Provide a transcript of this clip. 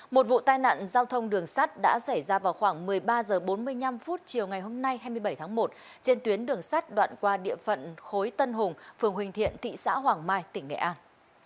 một vụ tai nạn giao thông đường sắt đã xảy ra vào khoảng một mươi ba h bốn mươi năm chiều ngày hôm nay hai mươi bảy tháng một trên tuyến đường sắt đoạn qua địa phận khối tân hùng phường huỳnh thiện thị xã hoàng mai tỉnh nghệ an